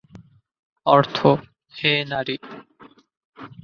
অর্থঃ হে নারী!